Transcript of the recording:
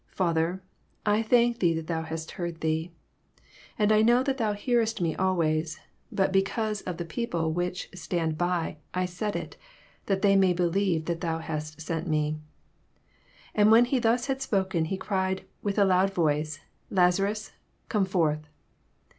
Father, I thank thee tliat thou hast heard me. 42 Andl knewthatthouhearestme always : but beoanse of the people whieh stand by I said it, that tliey may be lieve tliat thou hast sent me. < 43 And when he thus had spoken, he cried with a loud voice, Lazarus, come forth.